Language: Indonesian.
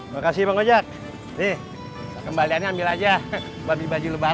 makasih pengajar nih kembalian ambil aja babi baju lebaran